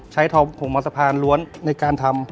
ใช้ทองของมันสะพานล้วนในการทำ